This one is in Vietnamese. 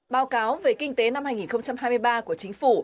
báo cáo về kinh tế năm hai nghìn hai mươi ba của chính phủ